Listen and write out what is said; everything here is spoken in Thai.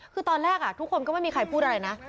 คือตอนแรกทุกคนก็ไม่มีใครพูดอะไรนะ